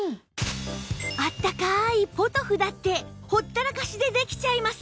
あったかいポトフだってほったらかしでできちゃいます